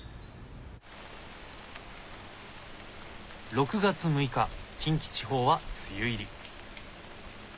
６月６日近畿地方は梅雨入り。